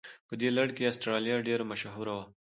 په دې لړ کې استرالیا ډېره مشهوره وه.